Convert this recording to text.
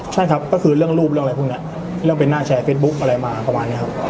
ใช่ครับก็คือเรื่องรูปเรื่องอะไรพวกนี้เรื่องเป็นหน้าแชร์เฟซบุ๊คอะไรมาประมาณนี้ครับ